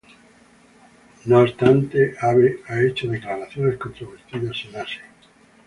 No obstante, Abe ha hecho declaraciones controvertidas en Asia.